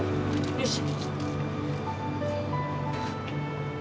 よし。